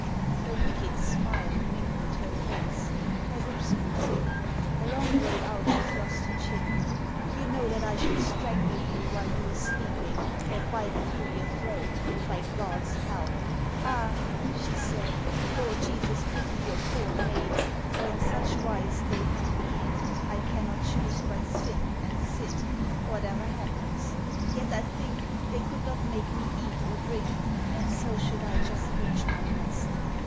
A wicked smile Wrinkled her face, her lips grew thin, A long way out she thrust her chin: You know that I should strangle you While you were sleeping; or bite through Your throat, by God's help: ah! she said, Lord Jesus, pity your poor maid! For in such wise they hem me in, I cannot choose but sin and sin, Whatever happens: yet I think They could not make me eat or drink, And so should I just reach my rest.